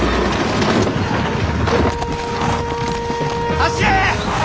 走れ！